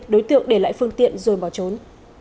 đối tượng để lại phương tiện rồi bỏ trốn